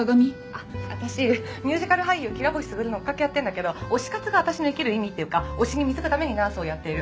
あっ私ミュージカル俳優綺羅星スグルの追っかけやってるんだけど推し活が私の生きる意味っていうか推しに貢ぐためにナースをやっている。